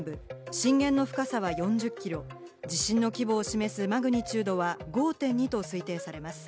震源の深さは４０キロ、地震の規模を示すマグニチュードは５．２と推定されます。